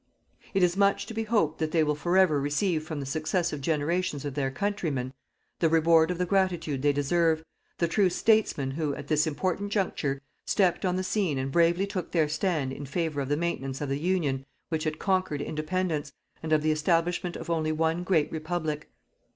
It is much to be hoped that they will forever receive from the successive generations of their countrymen the reward of the gratitude they deserve, the true statesmen who, at this important juncture, stepped on the scene and bravely took their stand in favour of the maintenance of the Union which had conquered Independence, and of the establishment of only one great Republic.